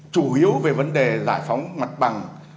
chủ yếu về vấn đề giải phóng mặt bằng